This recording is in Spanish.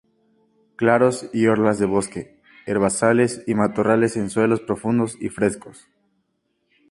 Claros y orlas de bosque, herbazales y matorrales en suelos profundos y frescos.